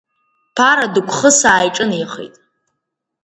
Ԥара дықәхысаа иҿынеихеит.